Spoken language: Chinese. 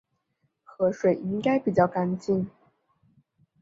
河水应该比较干净